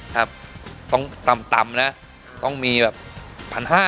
ครับต้องต่ำนะต้องมีแบบ๑๕๐๐